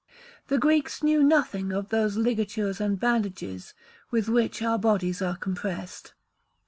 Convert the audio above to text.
The Greeks knew nothing of those ligatures and bandages with which our bodies are compressed.